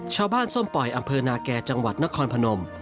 ส้มป่อยอำเภอนาแก่จังหวัดนครพนม